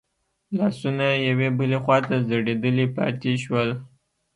لاسونه يې يوې بلې خواته ځړېدلي پاتې شول.